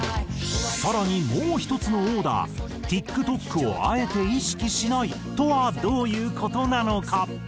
更にもう１つのオーダーＴｉｋＴｏｋをあえて意識しないとはどういう事なのか？